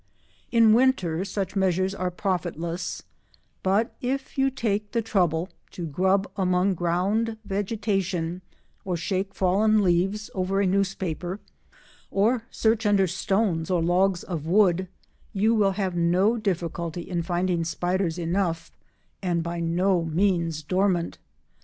In winter such measures are profitless, but if you take the trouble to grub among ground vegetation, or shake fallen leaves over a newspaper, or search under stones or logs of wood you will have no difficulty in finding spiders enough, and by no means dormant.